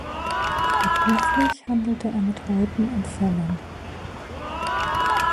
Beruflich handelte er mit Häuten und Fellen.